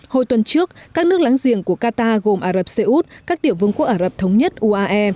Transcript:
hồi tuần trước các nước láng giềng của qatar gồm ả rập xê út các tiểu vương quốc ả rập thống nhất uae